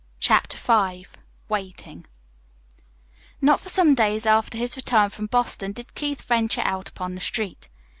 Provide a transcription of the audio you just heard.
CHAPTER V WAITING Not for some days after his return from Boston did Keith venture out upon the street.